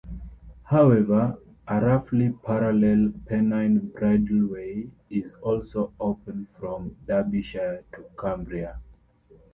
However, a roughly parallel Pennine Bridleway is also open from Derbyshire to Cumbria.